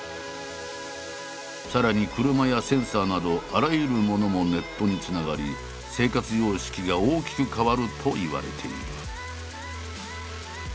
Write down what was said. さらに車やセンサーなどあらゆるものもネットにつながり生活様式が大きく変わるといわれている。